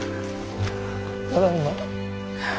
ただいま。